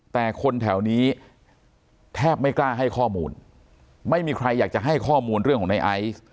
แต่คนแถวนี้แทบไม่กล้าให้ข้อมูลไม่มีใครอยากจะให้ข้อมูลเรื่องของในไอซ์